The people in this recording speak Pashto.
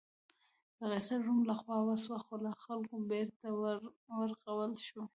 د قیصر روم له خوا وسوه، خو له خلکو بېرته ورغول شوه.